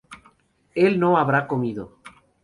él no habrá comido